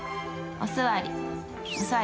お座り。